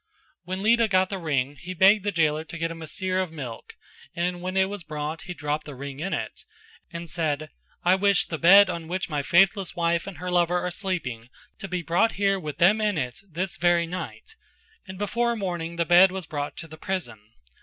When Lita got the ring he begged his jailer to get him a seer of milk and when it was brought he dropped the ring in it, and said "I wish the bed on which my faithless wife and her lover are sleeping to be brought here with them in it this very night" and before morning the bed was brought to the prison.